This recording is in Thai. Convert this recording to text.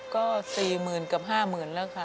ก็สี่หมื่นกับห้าหมื่นแล้วค่ะ